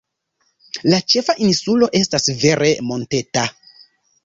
La ĉefa insulo estas vere monteta.